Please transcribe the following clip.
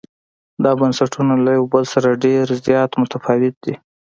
دا بنسټونه له یو بل سره ډېر زیات متفاوت دي.